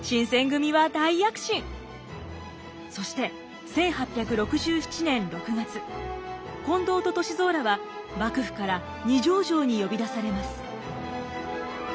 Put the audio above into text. そして１８６７年６月近藤と歳三らは幕府から二条城に呼び出されます。